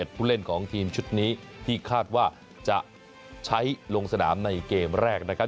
ผู้เล่นของทีมชุดนี้ที่คาดว่าจะใช้ลงสนามในเกมแรกนะครับ